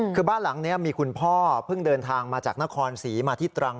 คือบ้านหลังนี้มีคุณพ่อเพิ่งเดินทางมาจากนครศรีมาที่ตรัง